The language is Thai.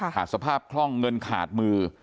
ขาดสภาพคล่องเงินขาดมือ